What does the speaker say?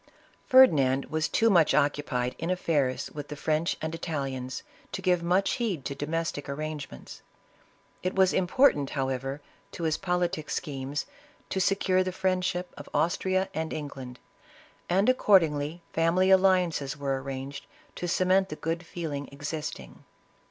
Ferdinand was too much occupied in affairs with the French and Italians, to give much heed to domestic arrangements. It was important, however, to his poli tic schemes, to secure the friendship of Austria and England, and accordingly family alliances were ar ranged, to cement the good feeling existing.